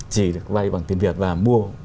chỉ được vay bằng tiền việt và mua